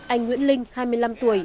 anh nguyễn linh hai mươi năm tuổi